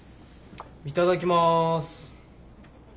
いただきます。